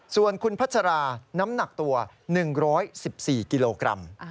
ส่วนคุณพัชราน้ำหนักตัว๑๑๔กิโลกรัม